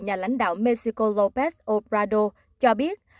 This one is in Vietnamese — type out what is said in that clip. nhà lãnh đạo mexico lópez obrador cho biết